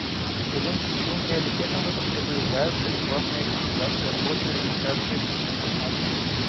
Вторым ключевым приоритетом в этом году являются реформа и активизация работы Организации Объединенных Наций.